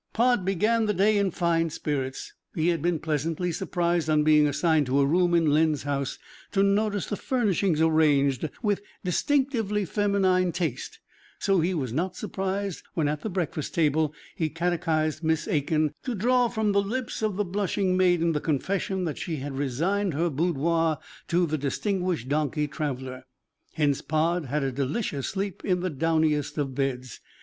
Pod began the day in fine spirits. He had been pleasantly surprised on being assigned to a room in Len's house to notice the furnishings arranged with distinctively feminine taste; so he was not surprised, when at the breakfast table he catechized Miss A n, to draw from the lips of the blushing maiden the confession that she had resigned her boudoir to the distinguished donkey traveler. Hence Pod had a delicious sleep in the downiest of beds.